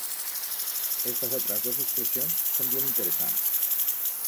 Estas atras dos expresions son bien interesants.